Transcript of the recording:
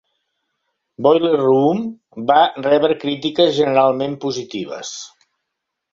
"Boiler Room" va rebre crítiques generalment positives.